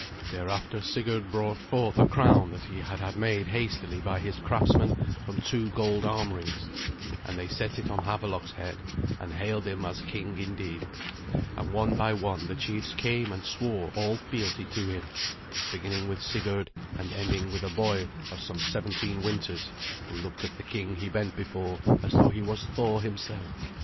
Thereafter Sigurd brought forth a crown that he had had made hastily by his craftsmen from two gold arm rings, and they set it on Havelok's head, and hailed him as king indeed; and one by one the chiefs came and swore all fealty to him, beginning with Sigurd, and ending with a boy of some seventeen winters, who looked at the king he bent before as though he was Thor himself.